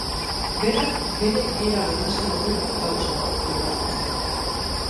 Berak bere era berezia du gauzak aipatzeko.